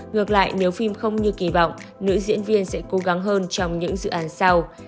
ngược lại nếu phim không như kỳ vọng nữ diễn viên sẽ cố gắng hơn trong những dự án sau